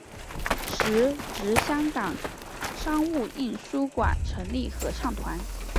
时值香港商务印书馆成立合唱团。